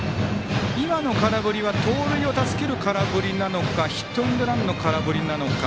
今の空振りは盗塁を助ける空振りなのかヒットエンドランの空振りなのか。